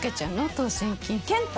当選金賢太？